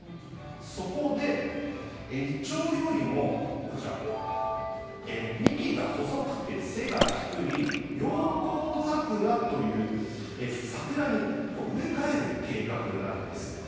そこで、イチョウよりも幹が細くて背が低いヨウコウザクラという桜に植え替える計画なんです。